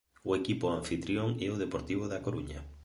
O equipo anfitrión é o Deportivo da Coruña.